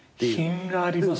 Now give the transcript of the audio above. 品があります。